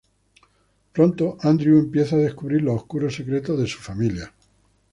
Pronto Andreu empieza a descubrir los oscuros secretos de su familia.